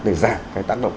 để giảm cái tác động